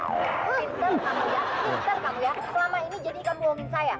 pinter kamu ya pinter kamu ya selama ini jadi kamu ngomongin saya